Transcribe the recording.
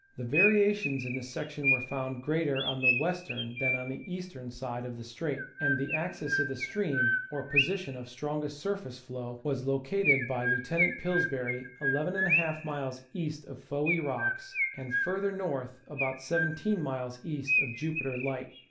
The variations in this section were found greater on the western than on the eastern side of the strait, and the axis of the stream, or position of strongest surface flow, was located by Lieutenant Pillsbury \\^ miles east of Fowey Rocks, and, farther north, about 17 miles east of Jupiter Light.